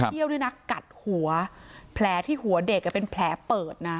เที่ยวด้วยนะกัดหัวแผลที่หัวเด็กเป็นแผลเปิดนะ